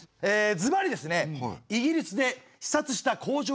ずばりですねイギリスで視察した工場です。